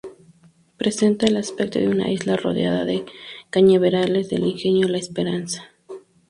Presenta el aspecto de una isla rodeada de cañaverales del Ingenio La Esperanza.